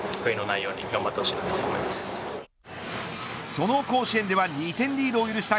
その甲子園では２点リードを許した